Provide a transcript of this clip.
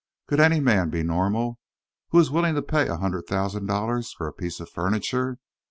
Could any man be normal who was willing to pay a hundred thousand dollars for a piece of furniture?